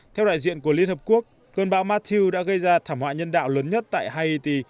theo đại diện của liên hợp quốc cơn bão mathiu đã gây ra thảm họa nhân đạo lớn nhất tại haihity